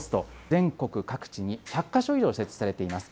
全国各地に１００か所以上設置されています。